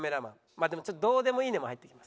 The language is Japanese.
まあでもちょっと「どーでもいいね」も入ってきます。